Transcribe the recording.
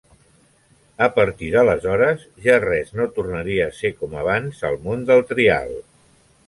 A partir d'aleshores ja res no tornaria a ser com abans al món del trial.